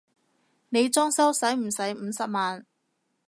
你裝修駛唔駛五十萬？